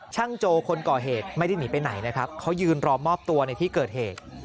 โจคนก่อเหตุไม่ได้หนีไปไหนนะครับเขายืนรอมอบตัวในที่เกิดเหตุ